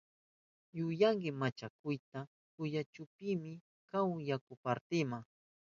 ¡Yuyanki machakuyata kuchuykipimi kahun yaku partima!